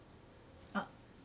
あっ。